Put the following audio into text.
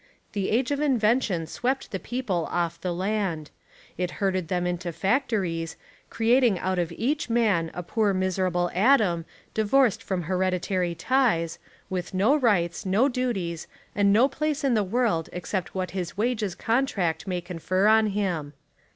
The age of in vention swept the people off the land. It herd ed them into factories, creating out of each man 144 The Woman Question a poor miserable atom divorced from heredi tary ties, with no rights, no duties, and no place in the world except what his wages contract may confer on him.